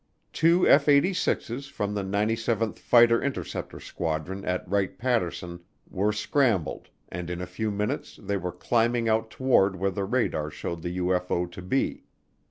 Two F 86's from the 97th Fighter Interceptor Squadron at Wright Patterson were scrambled and in a few minutes they were climbing out toward where the radar showed the UFO to be.